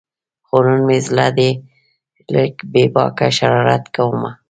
خو نن مې زړه دی لږ بې باکه شرارت کومه